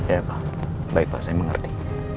ya ya pak baik pak saya mengerti